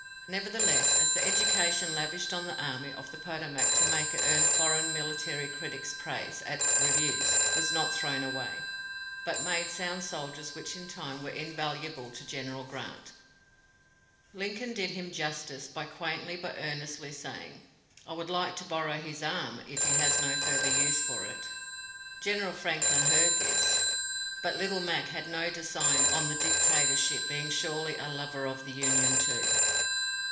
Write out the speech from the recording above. Nevertheless, as the education lavished on the Army of the Potomac to make it earn foreign military critics' praise at reviews, was not thrown away, but made sound soldiers which in time were invaluable to General Grant, Lincoln did him justice by quaintly, but earnestly, saying: "I would like to borrow his arm if he has no further use for it." (General Franklin heard this.) But "Little Mac" had no design on the dictatorship, being surely a lover of the Union, too.